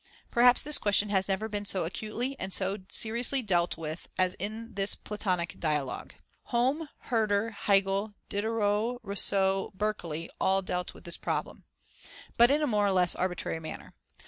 Perhaps this question has never been so acutely and so seriously dealt with as in this Platonic dialogue. Home, Herder, Hegel, Diderot, Rousseau, Berkeley, all dealt with the problem, but in a more or less arbitrary manner.